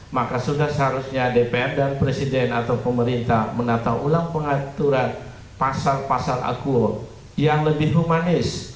maka sudah seharusnya dpr dan presiden atau pemerintah menata ulang pengaturan pasal pasal akur yang lebih humanis